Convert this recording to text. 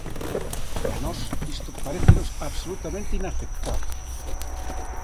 E a nós isto parécenos absolutamente inaceptable.